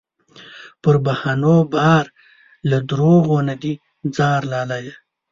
پر بهانو بار له دروغو نه دې ځار لالیه